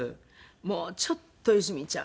「もうちょっとよしみちゃん